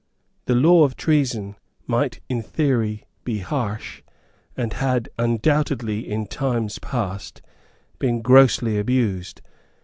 The law of treason might, in theory, be harsh, and had undoubtedly, in times past, been grossly abused.